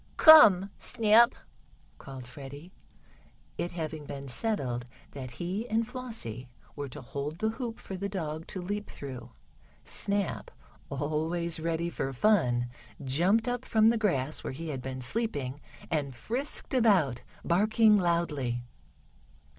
"Come, Snap!" called Freddie, it having been settled that he and Flossie were to hold the hoop for the dog to leap through. Snap, always ready for fun, jumped up from the grass where he had been sleeping, and frisked about, barking loudly.